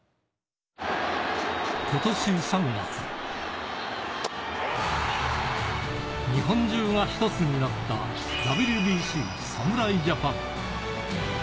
ことし３月、日本中が１つになったＷＢＣ・侍ジャパン。